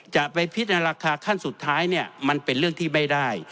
จะไปพิจารณาราคาขั้นสุดท้ายเนี่ยมันเป็นเรื่องที่ไม่ได้